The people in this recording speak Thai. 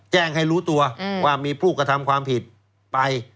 แจ้งให้รู้ตัวว่ามีผู้กระทำความผิดไป